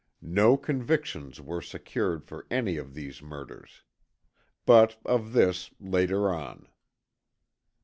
No convictions were secured for any of these murders. But of this later on.